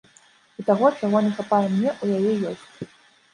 І таго, чаго не хапае мне, у яе ёсць.